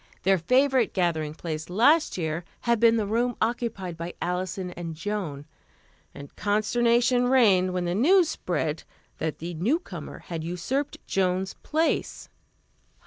Their favorite gathering place last year had been the room occupied by Alison and Joan, and consternation reigned when the news spread that the newcomer had usurped Joan's place.